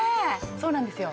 そうなんですよ